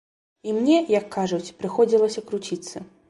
І мне, як кажуць, прыходзілася круціцца.